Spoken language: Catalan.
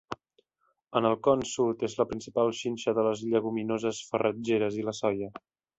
En el Con Sud és la principal xinxa de les lleguminoses farratgeres i la soia.